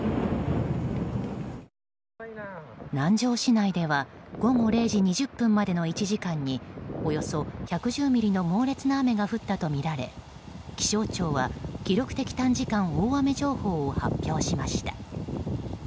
南城市内では午後０時２０分までの１時間におよそ１１０ミリの猛烈な雨が降ったとみられ気象庁は記録的短時間大雨情報を発表しました。